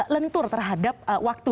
lentur terhadap waktu